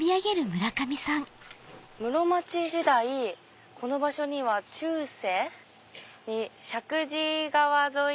「室町時代この場所には中世に石神井川沿いに勢力を広げた